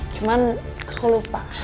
cuman aku lupa